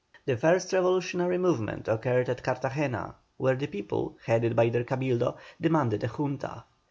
The first revolutionary movement occurred at Cartagena, where the people, headed by their Cabildo, demanded a Junta.